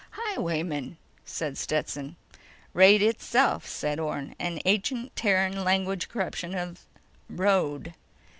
"Highwaymen," said Stetson. "Raid itself," said Orne. "An ancient Terran language corruption of road."